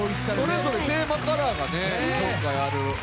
それぞれテーマカラーが今回ある、すてき。